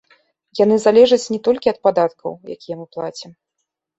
Яны залежаць не толькі ад падаткаў, якія мы плацім.